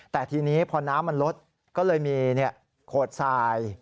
แต่ทีนี้พอน้ำมันลดก็เลยมีโขดทราย